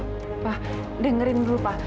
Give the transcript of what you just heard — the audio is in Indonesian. papa dengerin dulu papa